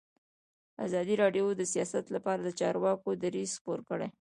ازادي راډیو د سیاست لپاره د چارواکو دریځ خپور کړی.